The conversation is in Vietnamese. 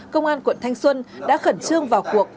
công an quận thanh xuân đã khẩn trương vào cuộc